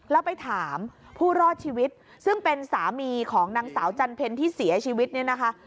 แล้วไปถามผู้รอดชีวิตซึ่งเป็นสามีของนางสาวจันเพลที่เสียชีวิตเนี่ยนะคะ